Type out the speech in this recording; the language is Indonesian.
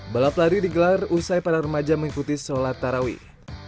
balap lari digelar usai para remaja mengikuti sholat tarawih